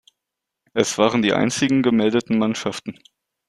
Es waren die einzigen gemeldeten Mannschaften.